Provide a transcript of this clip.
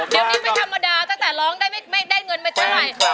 เดี๋ยวนี้ไม่ธรรมดาตั้งแต่ร้องได้ไม่ได้เงินมาเท่าไหร่